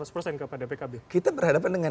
pada pkb kita berhadapan dengan